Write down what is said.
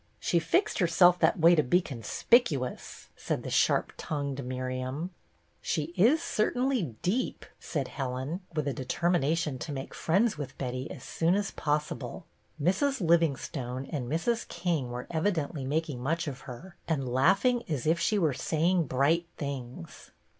" She fixed herself that way to be conspic uous," said the sharp tongued Miriam. HER FIRST RECEPTION iii " She is certainly deejD," said Helen, with a determination to make friends with Betty as soon as possible. Mrs. Livingstone and Mrs. King were evidently making much of her and laughing as if she were saying bright things.